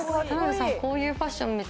田辺さん、こういうファッション